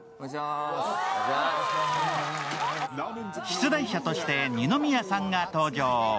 出題者として二宮さんが登場。